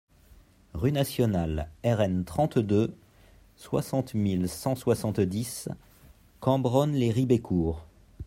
Rue Nationale Rn trente-deux, soixante mille cent soixante-dix Cambronne-lès-Ribécourt